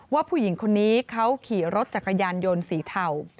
ว่าผู้หญิงคนนี้เขาขี่รถจักรยานยนต์สีเทา